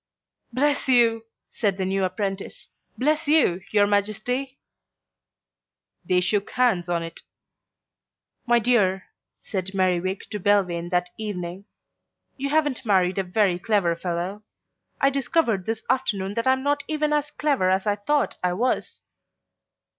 "Bless you," said the new apprentice; "bless you, your Majesty." They shook hands on it. "My dear," said Merriwig to Belvane that evening, "you haven't married a very clever fellow. I discovered this afternoon that I'm not even as clever as I thought I was."